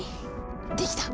できた！